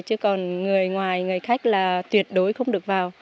chứ còn người ngoài người khách là tuyệt đối không được vào